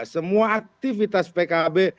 semua aktivitas pkb